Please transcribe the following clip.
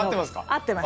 合ってます。